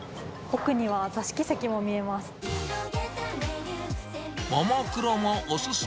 奥には座敷席も見えます。